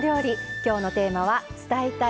きょうのテーマは「伝えたい！